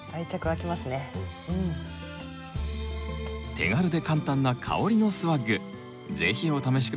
手軽で簡単な香りのスワッグ是非お試し下さい。